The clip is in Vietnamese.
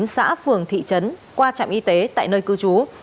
bốn xã phường thị trấn qua trạm y tế tại nơi cư trú